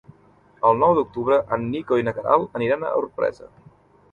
El nou d'octubre en Nico i na Queralt aniran a Orpesa.